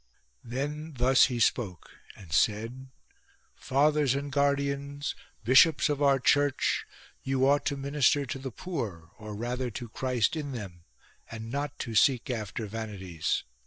Then thus he spoke and said :—" Fathers and guardians, bishops of our Church, you ought to minister to the poor, or rather to Christ in them, and not to seek after vanities.